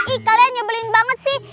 ih kalian nyebelin banget sih